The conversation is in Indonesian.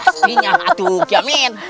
pastinya atuh kiamin